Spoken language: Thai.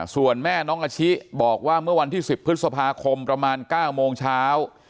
ส่วนแม่น้องอาชิบอกว่าเมื่อวันที่๑๐พฤษภาคมประมาณ๙โมงเช้า